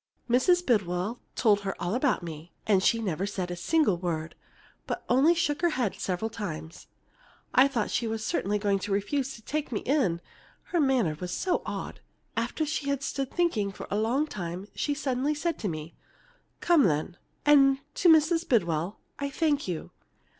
Mrs. Bidwell told her all about me, and she never said a single word, but only shook her head several times. I thought she was certainly going to refuse to take me in, her manner was so odd. After she had stood thinking a long time she suddenly said to me, 'Come, then!' and to Mrs. Bidwell, 'I thank you!'